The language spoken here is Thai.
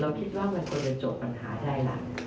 เราคิดว่ามันควรจะจบปัญหาได้แหละ